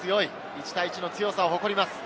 １対１の強さを誇ります。